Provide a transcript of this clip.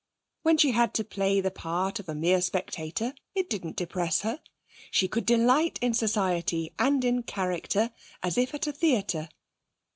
When she had to play the part of a mere spectator it didn't depress her; she could delight in society and in character as if at a theatre.